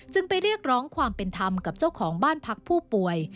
ไปเรียกร้องความเป็นธรรมกับเจ้าของบ้านพักผู้ป่วย